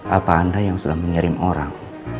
apa anda yang sedang menyerim orang